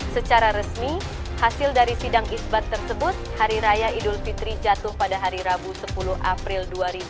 secara resmi hasil dari sidang isbat tersebut hari raya idul fitri jatuh pada hari rabu sepuluh april dua ribu dua puluh